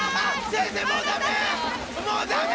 先生もうダメ！